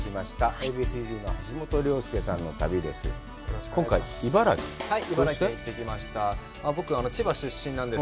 Ａ．Ｂ．Ｃ−Ｚの橋本良亮さんの旅です。